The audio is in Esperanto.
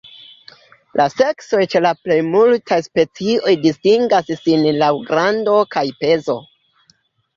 La seksoj ĉe la plej multaj specioj distingas sin laŭ grando kaj pezo.